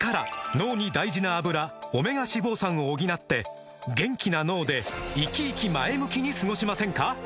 脳に大事な「アブラ」オメガ脂肪酸を補って元気な脳でイキイキ前向きに過ごしませんか？